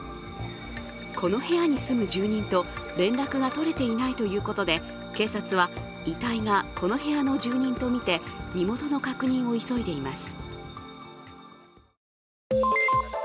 この部屋に住む住人と連絡が取れていないということで警察は、遺体がこの部屋の住民とみて身元の確認を急いでいます。